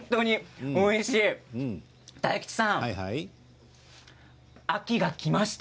大吉さん秋がきました！